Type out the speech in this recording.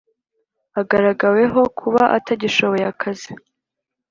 agaragaweho kuba atagishoboye akazi